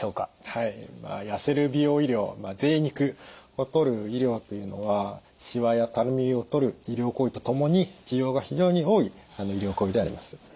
はい痩せる美容医療ぜい肉をとる医療というのはしわやたるみをとる医療行為とともに需要が非常に多い医療行為であります。